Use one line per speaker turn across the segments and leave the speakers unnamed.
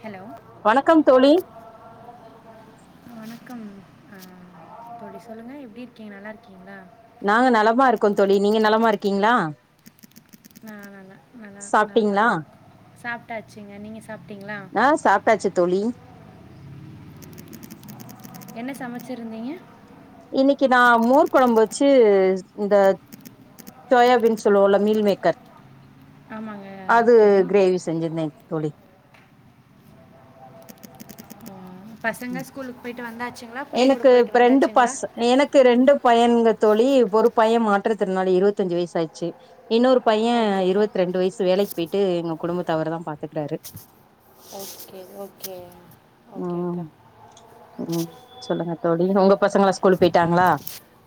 Hello
வணக்கம் தோழி
வணக்கம் தோழி சொல்லுங்க எப்படி இருக்கீங்க நல்லா இருக்கீங்களா
நாங்க நலமா இருக்கோ தோழி நீங்க நலமா இருக்கீங்ளா
ஆ நல்லா நல்லம
சாப்ட்டீங்களா
தான் இருக்கூ சாப் சப்டச்சுங்க நீங்க
ஆ சாப்ட்டாச்சு தோழி
என்ன சமைச்சிருந்தீங்க
இன்னைக்கு நான் மூர்குழம்பு வச்சு இந்த சோயாபின் சொல்லுவோல மீல் மேக்கர்
ஆமாங்க
அது
தோழி
கெரேவி செஞ்சிருந்தே தோழி
ஆ, பசங்க ஸ்கூலுக்கு போயிட்டு வந்தாச்சுங்களா
எனக்கு
பள்ளிக்கூடம் போயிட்டு
ரெண்டு
வந்தாச்சுங்களா
பச எனக்கு ரெண்டு பையன்க தோழி ஒரு பையன் மாற்று திறனாலி இருபத்தஞ்சு வயசு ஆச்சு இன்னொரு பையன்
ஓகே
இருவத் ரெண்டு வயசு வேலைக்கு போய்டிட்டு எங்க குடும்பத் அவருதா பாத்துக்குறாரு
ஓகே ஓகே
ம் ம் சொல்லுங்க தோழி உங்க பசங்களா ஸ்கூல் போயிட்டாங்களா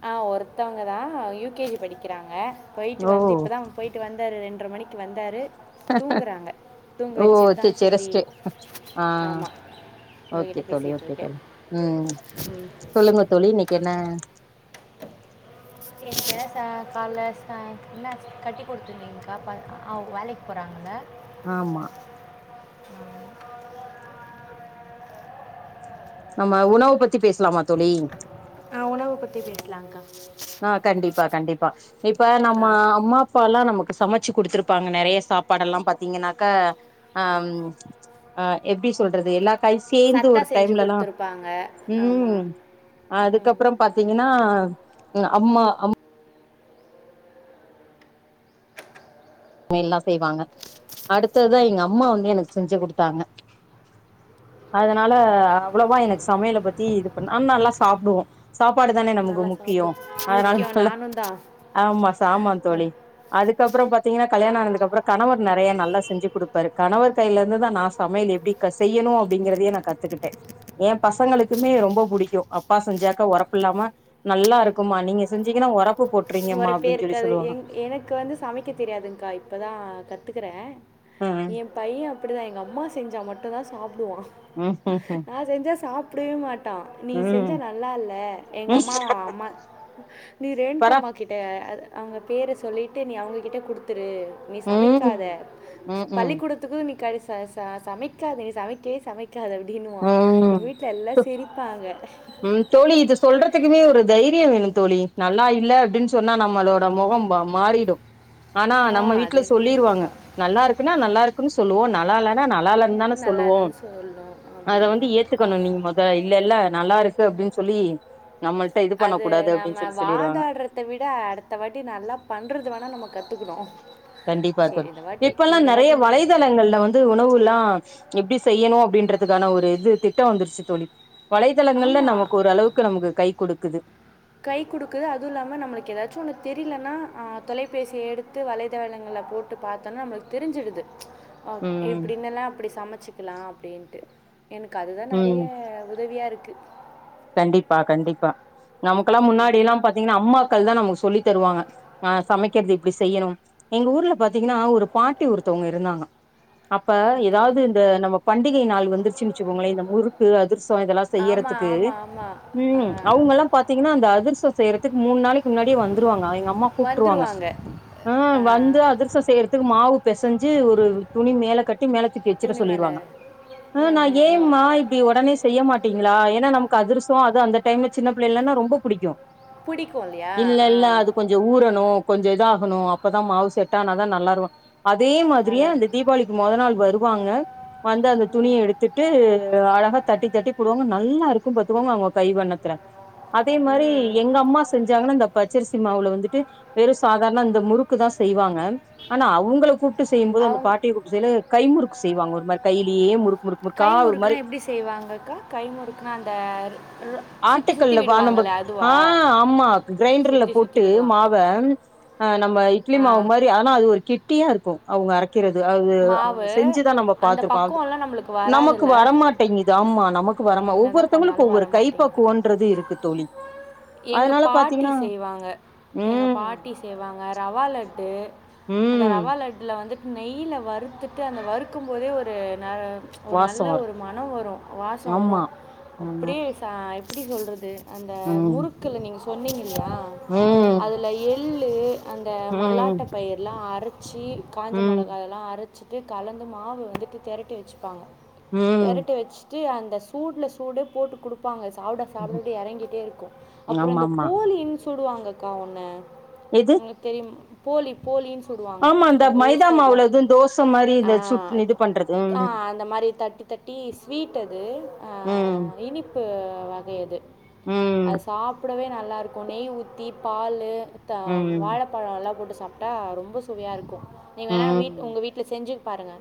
ஆஹ் ஒருத்தவங்க தான் யூகேஜி படிக்கிறாங்க போயிட்டு
ஓ
வந்து இப்பதா போயிட்டு வந்தாரு ரெண்டு மணிக்கு வந்தாரு தூங்குறாங்க தூங்க வச்சுட்டு தா
[unintelligible] ஆஹ் ஓகே
உங்ககிட்ட
தோழி
பேசிகிட்டு
ஓகே
இருக்கேன்
தோழி உம்
ம்
சொல்லுங்க தோழி இன்னைக்கு என்ன
எங்க ச காலை ச என்ன கட்டி கொடுத்துருந்தீங்க்கா வேலைக்கு போறாங்கள
ஆமா
உம் [inaudible]
நம்ம உணவு பத்தி பேசலாமா தோழி
ஆஹ் உணவ பத்தி பேசலாம்கா
ஆஹ் கண்டிப்பா கண்டிப்பா இப்ப நம்ம
ஆ
அம்மா அப்பா எல்லா நமக்கு சமைச்ச வச்சு கொத்துருப்பாங்க நெறைய சாப்பாடுெல்லா ப்த்தீங்னக்க எப்டி சொல்றது எல்லா கை சேர்ந்து
சத்தா
ஒரு
செஞ்சு
டைம்லலாம்
கொடுத்துருப்பாங்க
உம்
ஆமாம் ம்
அதுக்கப்பறோ பார்த்தீங்கன்னா அம்மா அம் சமையல்லா செய்வாங்க அடுத்ததுதா எங்க அம்மா வந்து எனக்கு செஞ்சு கொடுத்தாங்க அதனால அவ்வளவா எனக்கு சமையல பத்தி இது பண்ண நல்லா சாப்பிடுவோ சாப் சப்பாடு தானே நமக்கு
நல்லா
முக்கியம்
சாப்பிடும்
அதனால
முக்கியம்
ந
நானும் தான்
ஆமா சாம
ந-
தோழி அதுக்கப்புறம் பாத் கல்யாண ஆனதுக்கு அப்பறோ கணவர் நெறைய நல்லா செஞ்சு கொடுப்பாரு கணவர் கையில இருந்து தான் நான் சமையல் எப்படி செய்யணும் அப்படிங்கறதையே நான் கத்துக்கிட்டே என் பசங்களுக்குமே ரொம்ப பிடிக்கூ அப்பா செஞ்சாக்க உரப்பு இல்லாம நல்லா இருக்குமா நீங்க செஞ்சீங்கன்னா உரப்பு
உரப்பே இருக்காது எனக்கு வந்து சமைக்க தெரியாது அக்கா இப்போ தான் கத்துக்குறே
ம்
என் பையன் அப்டிதா எங்க அம்மா செஞ்ச மட்டும் தான் சாப் ப்டுவ
ம் ம்
நான் செஞ்ச சாப்ப அப்டியே மா ட்டான் நீ
ம்
செஞ்சா நல்லா இல்லை எங்க
ம்
அம்மாவ அம்மா நீ
பர
ரேண்கம்மா அ அது அவங்க பேர சொல்லிவிட்டு நீ அவங்ககிட்ட கொடுத்துரு நீ சமைக்காத
ம் ம்
பள்ளிக்கூடத்துக்கு நீ கடைசி ச சமைக்காத நீ சமைக்கவே சமைக் காத அப்படின்னுவான்
ம்
எங்க வீட்டுல
ம்
எல்லாம் சிரிப்பாங்க
ம் தோழி இது சொல்றதுக்குமே ஒரு தைரியோ வேணு தோழி நல்லா இல்ல அப்படின்னு சொன்னா நம்மளோட முகம் மாறிடும் ஆனா
ஆ
நம்ம வீட்டுல
அது என்னன்னு
சொல்லிருவாங்க
பார்த்தா
நல்லா இருக்குன்னா நல்லா இருக்குன்னு சொல்லுவோம் நல்லா இல்லன்னா நல்லா இல்லன்னு தான
நல்லா
சொல்லுவோம்
இல்லைன்னு சொல்லணும்
அதை வந்து
அப்படின்வாங்க
ஏத்துக்கணும்
ஆமாம்
நீங்க மொத இல்ல இல்ல நல்லா இருக்கு அப்படின்னு சொல்லி [unintelligible] இது பண்ண
அது
கூடாது
நம்ம
அப்டின்னு சொல்லி சொல்லிருவாங்க
வாதாடுறத விட அடுத்த வாட்டி நல்லா பண்றது வேணா நம்ம கத்துக்
கண்டிப்பா தோழி இப்பல்லாம்
இந்த
நறைய
வாட்டி நான்
வலைதளங்கள்ல வந்து உணவு எல்லாம் எப்படி செய்யணும் அப்படின்றதுக்கான ஒரு இது திட்டம் வந்துருச்சு தோழி வலைத்தளங்கள்ல
ஆமாம்
நமக்கு ஓரளவுக்கு நமக்கு கை கொடுக்குது
கை குடுக்குது அதுவும் இல்லாம நம்மளுக்கு ஏதாச்சும் ஒண்ணு தெரியலன்னா ஆஹ் தொலைபேசியை எடுத்து வலைதளங்களை போட்டு பாத்தோம்னா நம்மளுக்கு தெரிஞ்சிடுது ஓ
ம்
இப்படினெல்லாம் அப்டி சமைச்சுக்கலாம் அப்டின்டு எனக்கு அதுதான் நெறைய
ம்
உதவியா இருக்
கண்டிப்பா கண்டிப்பா நமக்குல்லாம் முன்னாடி எல்லாம் பாத்தீங்கன்னா அம்மா க்கள் தான் நமக்கு சொல்லி தருவாங்க ஆஹ் சமைக்கிறது இப்படி செய்யணும் எங்க ஊருல பாத்தீங்கன்னா ஒரு பாட்டி ஒருத்தவங்க இருந்தாங்க அப்ப
ஓகே
ஏதாவது இந்த நம்ப பண்டிகை நாள் வந்துருச்சுன்னு வச்சுக்கோங்களேன் இந்த முறுக்கு அதிரசொ இதெல்லாம்
ஆமாம்
செய்யறதுக்கு
ஆமாம்
உம்
ஆமாம்
அவங்கல்லாம் பாத்தீங்கன்னா அந்த அதிர்ச செய்யறதுக்கு மூணு நாளைக் முன்னாடியே வந்துருவாங்க எங்க அம்மா கூப்டுருவாங்க
வந்துருவாங்க
ஆஹ் வந்து அதிர்சொ செய்யறதுக்கு மாவு பெசஞ்சு ஒரு துணி மேல கட் டி மேல தூக்கி வச்சிட
துணிமலை
சொல்லிருவாங்க ஆஹ்
ம்
நா
ம் ம்
ஏம்மா இப்படி ஒடனே செய்ய மாட் டீங்களா ஏன்னா நம் கதிரசம் அது அந்த டைம்ல சின்ன பிள்ளைலன்னா ரொம்ப புடிக்கும்
பிடிக்கும் இல்லையா
இல்ல
ஆ
இல்ல அது கொஞ்சம் ஊறணும் கொஞ்சம் இதாக னும் அப்பதான் மாவு செட்டானாதான் நல்லார்வ அதே மாதிரியே
மலர்
அந்த தீபாவளிக்கு மொத நாள் வருவாங்க வந்து அந்த
ம்
துணிய எடுத்துட்டு அழகாத் தட்டி தட்டி போடுவாங்க நல்லாருக் ப்ப பாத்துகோங்க அவுங்க கை வண்ணத்தல அதே மாரி
ம்
எங்க அம்மா செஞ்சாங்கன்னு இந்த பச்சரிசு அரிசி மாவுல வந்துட்டு வெறும் சாதாரண இந்த முறுக்கு தான் செய்வாங்க ஆனா அவ்ங்கள கூப் ட்டு செய்யுபோது அந்த
அவங்க
பாட்டிய கூப்ட்டு செய்ல கைமுறுக் செய்வாங்க ஒருமாரி கையிலேயே முறுக்
கை முறுக்குனா எப்டி செய்வாங்கக்கா கை முறுக்குனா அ தார்
ஆட்டுக்கல்ல பா நம்பக் ஆஹ் ஆமா கிரைண்டர்ல
சுற்றி சுற்றி
போட்டு
விடுவாங்க
மாவ ஆஹ் நம்ப இட்லி
ஆ
மாவு மாரி ஆனா அது ஒரு கிட் ட்டியா இருக்கும் அவ்ங்க அரைக் க்கிறது அது அவுங்க
மாவு
செஞ்சுதான் நம்ப
அந்த
பாத்துருக்கோம் அது
பக்குவம்லாம் நம்மளுக்கு
நமக்கு
வராதுல்ல
வரமாட்டேங்குது ஆமா நமக்கு வர மா
என்னதான்
ஒவ்வொருத்தவங்களுக்கு
பண்ணாலும்
ஒவ்வொரு
வர
இது
மாட்டேங்குது
ப்பக்குவொன்றது இருக்கு தோழி
எங்கள்
அதனால
பாட்டி
பாத்தீங்கன்னா
செய்வாங்க
உம்
க்கட்டு அந்த ரவா லட்ல வந்து நெய்யில வறுத்துட்டு அந்த வறுக்கும் போதே ஒரு ந ஒரு
வாசோ
நல்ல
வரு
ஒரு மனம் வரும் வாசோ
ஆமா
வரும் அப்டியே
ம்
சா எப்டி சொல்றது அந்த
ம்
முறுக்குல நீங்க சொல் கொன்னீங் ப்படியா
ம்
அதுல எள் தே அந்த
ம்
மல்லாட்ட பயிரெலா அரை சீ காஞ்ச
ம்
மொளக ல்லாம் அர் அரச்சிட்டு கலந்து மாவு வந்துட்டு திரட்டி வச்சுப்பாங்க
ம்
தெரட்டி வச் தி அந்த சூடல சூடே போட்டு குடுப்பாங்க
ம்
சாப்டசாப்ட இறங்கிட்டே இருக்கும் அப்புறோம இந்த
ஆமாமா
போலின் சுடுவாங்கக்கா ஒன்னு
எது
ங்களுக்கு தெரியு போலி போலியின்
ஆமா அந்த மைதா மாவுள எதும் தோசை
ஆஹ அந்த மாரி தட்டி தட்டி ஸ்வீட் அது
ம்
இனிப்பு இனிப்பு வகையது
ம்
அது சாப்பிடவே நல்லா இருக்கும் நெய் ஊத்தி பால்
ம்
வாழப்பழம்லா போட்டு சாப்டா ரொம்ப சுவையா இருக்கும் நீங்க வேணா வீ்ட் உங்க வீட்டு செஞ்சு பாருங்க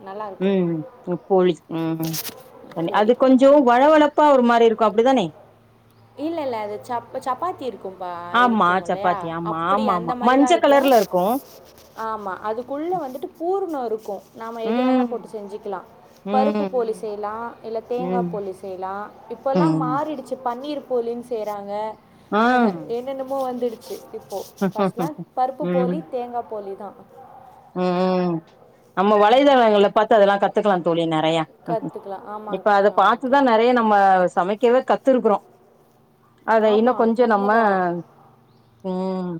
உம் இப்போழி உம் அது
போலி
கொஞ்சோ வழவழப்பா ஒரு மாரி இருக் க்கோ அப்டி தானே
இல்ல இல்ல அது சப் சப்பாத்தி இருக்கும்பா
ஆமா
இருக்கு இல்லையா
சப்பாத்தி ஆமா
அப்படி
ஆமா
அந்த
ஆமா
மாரிதா
மஞ்ச
இருக்கோ
கலர்ல இருக்கு
ஆமா அதுக்குள்ள வந்துட்டு பூர்ண இருக்கோ நாம் எது வேணா
ம்
போட்டு செஞ்சுக்கலாம்
ம்
பருப்பு போலி
ம்
செய்யலா இல்ல தேங்கா
ம்
போலி செய்யலா இப்போல்லா
ம்
மாறிடுச்சு பன்னீர் போலின் செய்றாங்க
ஆ
அஹ்ஹ என்னென்னமோ வந்துதிரு [unintelligible] போ
ம்
ஃபர்ஸ்ட்லா பருப்பு போலி தேங்காய் போலி தா
உஹம் உம் நம்ம வலைதளங்களைபாத்து அதெல்லா கத்துக்கலாம் தோழி நெறைய
கத்துக்கலாம். ஆமா,
இப்ப அத
ஆமாக்கா.
பாத்துதா நெறைய நம்ம சமைக்கவே கத்திருக்குறோம் அத
ஆமா,
இன்னும் கொஞ்சோ நம்ம
உண்மதான்.
உஹம்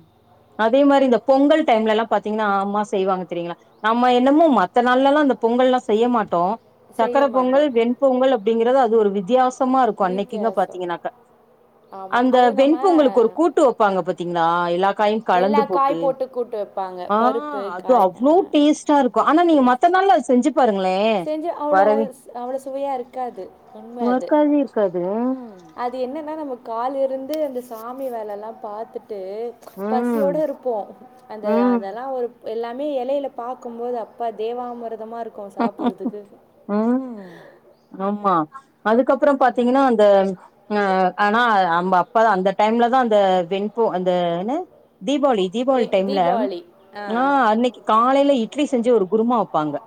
அதே மாரி இந்த பொங்கல் டைம்ல எல்லா பாத்தீங்கன்னா மாச செய்வாங்க தெரியங்களா நம்ம என்னமோ மத்த நாள்ல எல்லாம அந்த பொங்கல்ல்லாம் செய்ய மாட்டோம்
செய்ய
சக்கர பொங்கல்
மாட்டோம்.
வெண்பொங்கல் அப்டிங்கற அது ஒரு வித்தியாச சும்மா இருக்கோ அன்னைகின்னு
வித்தியாசம்.
பாத்தீங்கன்னா
ஆமா.
அந்த
அது
வென்பொங்களுக்கு ஒரு
நம்ம
கூட்டு வெப்பாங்க பாத்தீங்கா எல்ல
எல்லா காய் போட்டு கூட்டு வைவெப்பாங்க
ஆ
பருப்பு
அது
காய்
அவ்ளோ டேஸ்ட்டா இருக்கோ ஆனா நீங்க மத்த
டேஸ்ட்டாக
நாள் செஞ்சு பாருங்களே
செஞ்சு அவ்ளோ
வரவே
அவ்ளோ சுவையா இருக்காது உண்ம அது
இருக்காது இருக்காது
அது என்னன்னா நமக்கு காலைல இருந்து அந்த சாமி வேல எல்லா பாத்துட்டு விட்டு
ம்
பசியோட இருப்போ அந்த
ம்
அதெல்லா ஒரு எல்லாமே எலையில பாக்கும்போது அப்பா தேவாமிர்தமா இருக்
ம் ஆமா அதுக்கப் பறம் பாத்தீங்கன்னா அந்த அ ஆனா அம அப்ப அந்த டைம்ல தா அந்த வெண்போ அந்த என்ன தீபாவளி
வே
தீபாவளி டைம்ல
தீபாவளி
ஆ அன்னைக்கு காலையில இட்லி செஞ்சு ஒரு குருமா வெப்பாங்க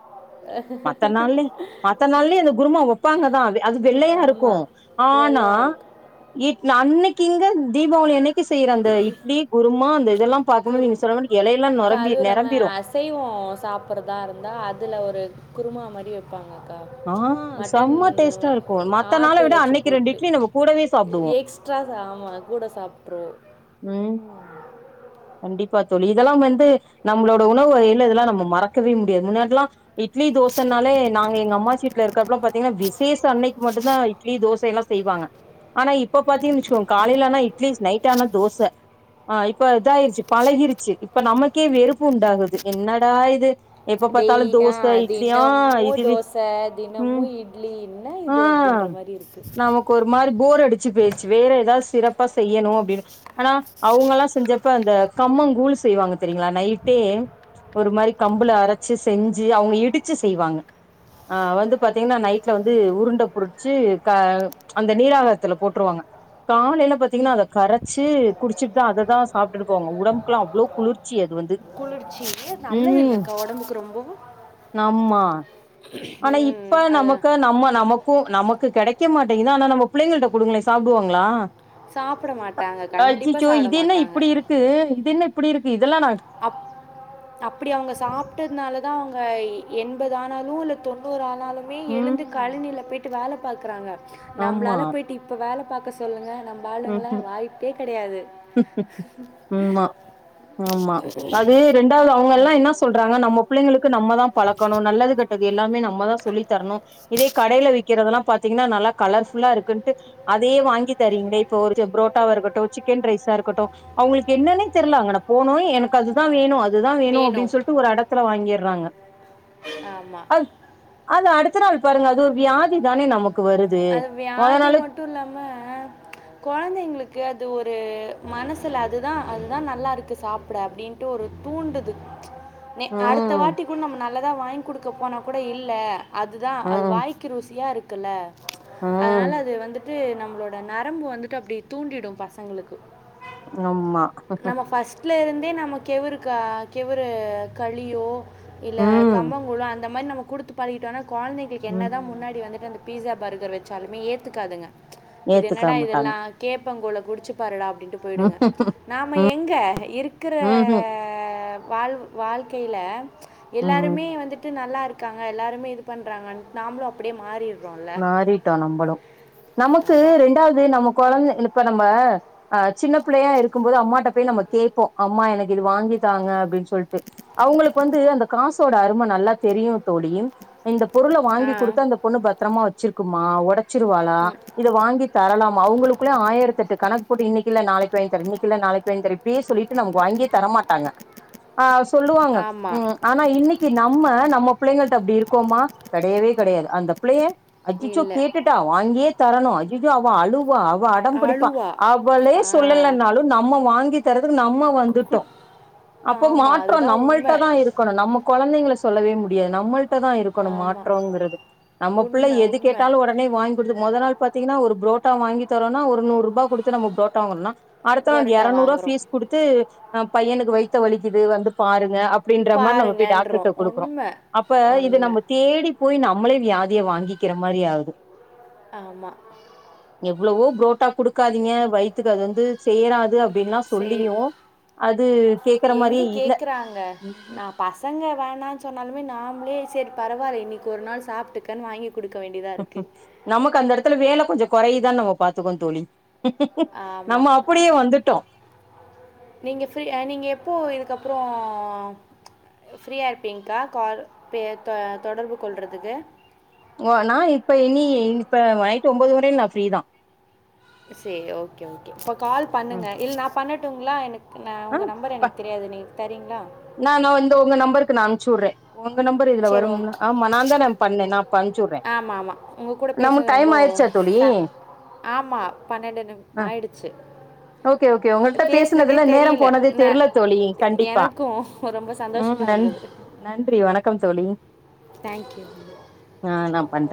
மத்த நாள்லி மத்த நாள்லி இத குருமா வெப்பாங்கதா அது அது வெள்ளையா இருக்கு
ஆமாம்
ஆனா
வெள்ளையாக இருக்கும்
இ அன்னகிங்க தீபாவளி அன்னக் பாக்கும்போது
குரு
நீங்க சொன்ன மாரி எலையெல்லா
அக்கா
நொரம்பி
அதுவு இல்லாம
நெரம்பிரு
அசைவ சாப்படுறதா இருந்தா அதுல ஒரு குருமா மாதிரி வப்பாங்க க
ஆ
மட்டன்
செம்ம டேஸ்ட்டா இருக்கு மத்த நாள
ஆட்டு
விட
இரைச்சி
அன்னைக்கு ரெண்டு
போட்டு
இட்லி நம்ம கூடவே சாப்டுவோ
எக்ஸ்ட்ரா ஆமா கூட சாப்ட்ருவோ
ஆ கண்டிப்பா தோழி இதெல்லா வந்து நம்மளோட உணவு வகையில இதெல்லா நம்ம மறக்கவே முடியாது முன்னாடில்லா இட்லி தோசன்னாலே நாங்க எங்க அம்மாச்சி வீட்டுல இருக்கறப்புல பாத்தீங்கன்னா விசேஷ அன்னைக்கு மட்டுந்தா இட்லி தோசை எல்லா செய்வாங்க ஆனா இப்ப பாத்தீங்கன் வச்சுக்கோங்க காலைல ஆனா இட்லி நைட் ஆனா தோச இப்ப இதாயிருச்சு பழகிருச்சு இப்ப நமக்கே வெறுப்பு உண்டாகுது என்னடா இது எப்ப பாத்தாலு
டெய் ஆ
தோச இட்லியா
தினமும்
இதவே
தோசை
ம்
தினமும் இட்லி என்ன
ஆ
இது அப்படின்ற மாதிரி இருக்குது
நமக்கு ஒரு மாரி போர் அடிச்சு போயிருச்சு வேற எதா சிறப்பா செய்யணு அப்டின்னு ஆனா அவங்கல்லா செஞ்ச ப்ப அந்த கம்மங் கூழ் செய்வாங்க தெரிங்களா நைட்டே ஒரு மாரி கம்புல அரைச்சு செஞ்சு அவங்க இடிச்சு செய்வாங்க அ வந்து பாத்தீங்கன்னா நைட்ல வந்து உருண்டை புரிச்சு க அந்த நீராகரத்துல போட்ருவாங்க காலலேபாத்தீங்கன்னா
இ-
அத கரைச்சி குடிச்சிட்டு தா அததா உடம்புகெல்லா அவ்ளோ குளிர்ச்சி அது வந்து
குளிர்ச்சி நல்லது
ம்
இல்லைக்கா உடம்புக்கு ரொம்பவும்
ஆம்மா ஆனா
ம்,
இப்ப
அது
நமக்கு நம்ம நமக்கு நமக்கு கெடைக் க்க மாட்டேங்குது ஆனா நம்ம பிள்ளைககிட்ட குடுங்களே சாப்டுவாங்களா
சாப்பிட மாட்டாங்க கண்டிப்பாக
அச்சிச்சோ
சாப்பிட
இது என்ன
மாட்டாங்க
இப்பிடி இருக்கு இது என்ன இப்பிடி இருக்கு இது
அப் அப்படி அவங்க சாப்ட்டதுனால தா அவங்க எண்பது ஆனாலு இல்ல தொண்ணூறு ஆன னாலுமே எழுந்து
ம்
கழநில போய் ட்டு வேல பாக்கறாங்க
ஆமா
நம்மளால போயிட்டு இப்ப வேல பாக்க சொல்லுங்க நம்ப ஆளுங்களா
ம்ஹும்
வாய்ப்பே கெடையாது
மா அது ரெண்டாவது அவங்க எல்லா என்னா சொல்றாங்கன நம்ம புள்ளைங்களு கு நம்மதா பழக்கணு நல்லது கெட்டது எல்லாமே நம்மதா சொல்லி தரணு இதே கடைல விக்கிறதெல்லா பாத்தீங்னா நல்லா கலர்ஃபுல்லா இருக்குன்ட்டு அதையே வாங்கி தரீங்க்ளே இப்போ ஒரு ச புரோட்டாவா இருக்கட்டு சிக்கன் ரைஸா இருக்கட்டு அவங்களுக்கு என்னன்னே தெரில அங்குன போனு எனக்கு அதுதா வேணு அ து தா வேணு அப்டின்
வேணும்
சொல்ட்டு ஒரு அடத்துல வாங்கிடுறாங்க
ஆமாம்
அ ஆனா அடுத் கத்றாரு பாருங்க அது ஒரு வியாதி தானே நமக்
அது வியாதி மட்டுல்லாம கொழந்தைங்களுக்கு அது ஒரு மனசுல அதுதா அதுதா நல்லா இருக்கு சாப்பக்ஷட அப்டின்ட்டு ஒரு தூண்டுது னே அடுத்த
ம்
வாட்டி கூட் நம் நல் லதா வாங்கி குடுக்க போனா கூட இல்ல அதுதா அது
ம்
வாய்க்கு ருசியா இருக் குல அதனால
ம்
அது வந்துட் டு நம்மளோட நரம்பு வந்துட்டு அப்டியே தூண்டிடு பசங்களுக்கு
ஆமா
தே நம்ம கெவுரு க கெவுரு களியோ இல்ல
ம்
கம்பங்கூல்லு அந் த மாரி நம்ம குடுத்து பழகிட்டோனா கொழந்தைகளுக்கு என்னதா
ம்
முன்னாடி வந்துட்டு அந்த பீசாப் பர்கர் வச்சாலுமே ஏத்துக்காதுங்க இது
ஏத்துக்க
என்னடா
மாட்டாங்க
இதெல்லா கேப் பங்கூல குடிச்சு பாருடா அப் ட்டின்ட்டு போயிடுங்க நாம எங்க இருக்குற
ம்ஹூம்
வாழ் வாழ்க்கையில
ம்
எல்லாருமே வந்துட்டு நல்லா இருக் காங்க எல்லாருமே இது பண்றாங்கன் நாமளு அப்டியே மாறிட் ரோல
மாறிட்டோ நம்பளு நமக்கு ரெண்டாவது நமக் கொழந்த இப்ப நம்ம ஆஹ் சின்ன பிள்ளையா இருக்கும்போது அம்மாட போய் நம்ம கேப்போ அம்மா எனக்கு இது வாங்கி தாங்க அப்டின்னு சொல்ட்டு அவங்களுக்கு வந்து அந்த காசோட அரும நல்லா தெரியு தோழி இந்த பொருள
ஆ
வாங்கி கொடுத்து அந்த பொண்ணு பத் வெச்சிருக்குமா ஒட சிறுவாலா இத வாங்கி தரலாம் அவங்களுக்குள்ளே ஆயிரத்து எட்டு கணக் போட்டு இனிக்கு இல்ல நாளைக்கு வாங்கித் தர இன்னிக் ல்ல நாளைக்கு வாங்கித்தர இப்டியே சொல்லிட்டு நமக்கு வாங்கியே தரமாட்டாங்க ஆ சொல்லுவாங்க
ஆமாம்
ஆனா இன்னைக்கு நம்ம நம்ம பிள்ளைங்களிட்ட அப்டி இருக்கோமா கெடையவே கெடையாது அந்த பிள்ளையே அஜிச்சோ
இல்லை
கேட்டுட்டா வாங்கே தரணும் ஐய்யயோ அவ அழு அவ அடம் பிடிப்பா
அழுவா
அவளே
ஆ
சொல்லலனாலும் நம்ம வாங்கி தறதுக்கு நம்ம
கு-
வந்துட்டோ
குட்
அப்ப
ஆமாம்
மாற்றம்
அதுதான் உண்மை
நம்மள்ட்டதா இருக்கணும் நம்மக் கெழந்தைங்கள சொல்லவே முடியாது நம்மள் ட்டதா இருக்கணும்
ஆமாம்
மாற்றம்ங்கிறது நம்ம புள்ள
உண்மை
எது
உண்மை
கேட்டாலு உடனே வாங்கி கொடுத்து மொத நாள் பாத்தீங்கன்னா ஒரு புரோட்டா வாங்கி தரோம்னா ஒரு நூறு ரூபா கொடுத்து நம்ம புரோட்டா வாங்கரம்னா அடுத்த
புரோட்டா
எரநூற்ரூபா
வாங்குறோம்
பீஸ் கொடுத்து பையனுக்கு வைத் த்த வலிக்குது வந்து பாருங்க அப் அப்படின்ற மாரி நம்ம போய் டாக்டர்கிட்ட
பாருங்கன்றோம்
குடுக்குறோம்
உண்மை
அப்ப இது
உண்மை
நம்ம தேடி போய் நம்மளே வியா திய வாங்கிக்கிற மாரி ஆவுது
ஆமா
எவ்ளோவோ ப்ரோட்டா குடுக்காதீங்க வைத்துக்கு அது வந்து செய்ராது அப்
சேரி
கேக்குற
எங்க
மாரியே இல்ல
கேக்குறாங்க
ம் ஹு
நா பசங்க வேணாம்னு சொன்னாலுமே நா ம்ளே சேரி பரவாயில இன்னைக்கு ஒரு நாள் சாப்ட்டுக்கனு வாங்கி கொடுக்க வேண்டியதாக இருக்குது
நமக்கு அந்த இடத்துல வேலை கொஞ்சம் கொறையுதான்னு நம்ம பாத்துக்கனு தோழி
ஆமாம்
நம்ம அப்படியே வந்துட்டோம்
நீங்க ஃப்ரீ நீங்கள் எப்போ இதுக்கப்பறோ ஃப்ரீயா இருப்பீங்க்கா கால் பேச தொடர்பு கொள்றதுக்கு
ஓ நா இப்ப இனி இப்ப நைட்டு ஒம்போது வரை நா ஃப்ரீதா
சேரி ஓகே ஓகே கால்
ம்
பண்ணுங்க இல்ல நா பண்ணட்டு ட்டுங்களா எனக் நா
ஆ
உங்க நம்பர்
ப
எனக்கு தெரியாது நீங்க தரீங்களா
நா நா இந்த உங்க நம்பருக்கு நா அம்சு உடுறேன் உங்க நம்பர் இதுல வரும் ஆமா நான்தா நா பண்ணேன் நா இப்ப அனுப்ச்சு வுட்றே
ஆம ஆமாம் உங்க கூட
நமக்கு
பேசினது ரொம்ப
டைம் ஆயிருச்சா தோழி
ச ஆமாம் பன்னெண்டு நிம்
ஆ
ஆயிடுச்சு பேசினதே தெரில தெரியல
இது
நான்
தெர்ல தோழி கண்டிப்பா
எனக்கும் ரொம்ப
உம்
சந்தோஷமாக
நன்
இருந்தது
நன்றி வணக்கம் தோழி
தேங்க்யூ
ஆ நா பண்றே